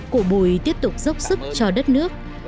cụ bùi tiếp tục dốc sức cho đất nước